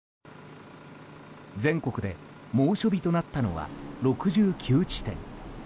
全国で猛暑日となったのは６９地点。